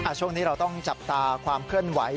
ช่วงนี้เราต้องจับตาความเคลื่อนไหว